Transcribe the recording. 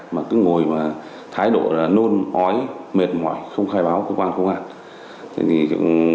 mà cứ ngồi và thái độ nôn ói mệt mỏi không khai báo cơ quan không hạn